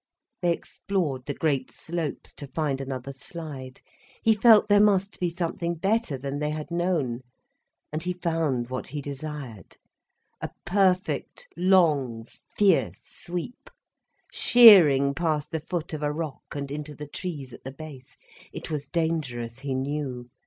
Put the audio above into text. They explored the great slopes, to find another slide. He felt there must be something better than they had known. And he found what he desired, a perfect long, fierce sweep, sheering past the foot of a rock and into the trees at the base. It was dangerous, he knew.